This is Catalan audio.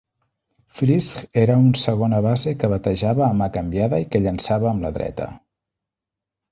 Frisch era un segona base que batejava a mà canviada i que llançava amb la dreta..